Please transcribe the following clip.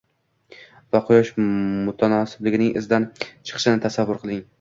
va Quyosh mutanosibligining izidan chiqishini tasavvur qiling...